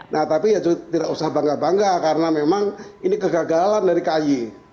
nah tapi ya tidak usah bangga bangga karena memang ini kegagalan dari kay